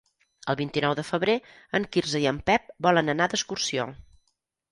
El vint-i-nou de febrer en Quirze i en Pep volen anar d'excursió.